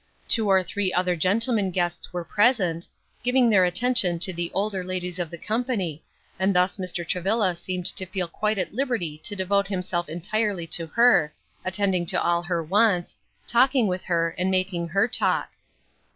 Two or three other gentlemen guests were present, giving their attention to the older ladies of the company, and thus Mr. Travilla seemed to feel quite at liberty to devote himself entirely to her, attending to all her wants, talking with her, and making her talk.